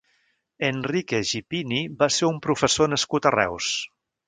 Enrique Gippini va ser un professor nascut a Reus.